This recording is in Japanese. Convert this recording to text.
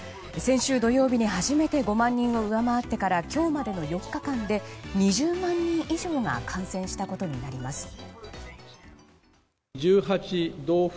先週土曜日に初めて５万人を上回ってから今日までの４日間で２０万人以上が感染したことになります。